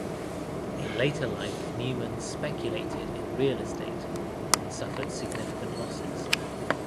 In later life Newman speculated in real estate and suffered significant losses.